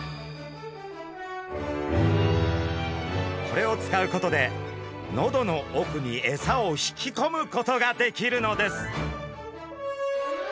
これを使うことで喉の奥にエサを引きこむことができるのです。